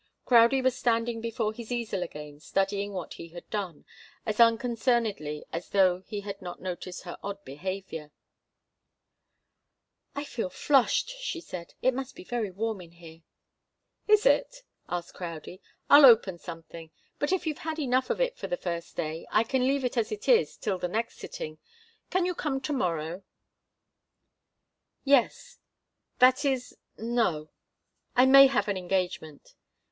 Crowdie was standing before his easel again, studying what he had done, as unconcernedly as though he had not noticed her odd behaviour. "I feel flushed," she said. "It must be very warm here." "Is it?" asked Crowdie. "I'll open something. But if you've had enough of it for the first day, I can leave it as it is till the next sitting. Can you come to morrow?" "Yes. That is no I may have an engagement."